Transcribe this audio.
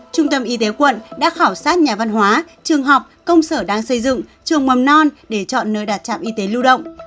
trung tâm y tế quận đã khảo sát nhà văn hóa trường học công sở đang xây dựng trường mầm non để chọn nơi đặt trạm y tế lưu động